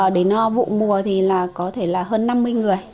đến vụ mùa thì là có thể là hơn năm mươi người